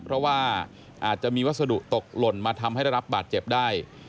เพราะว่าอาจจะมีวัสดุตกหล่นมาทำให้ได้รับบาดเจ็บได้